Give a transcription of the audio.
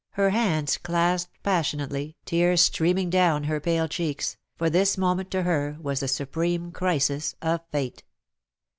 thou art leading me hands clasped passionately, tears streaming down her pale cheeks, for this moment to her was the supreme crisis of fate.